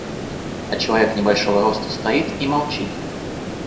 А человек небольшого роста стоит и молчит.